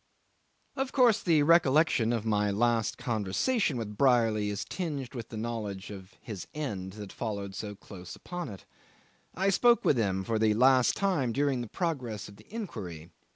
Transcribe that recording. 'Of course the recollection of my last conversation with Brierly is tinged with the knowledge of his end that followed so close upon it. I spoke with him for the last time during the progress of the inquiry.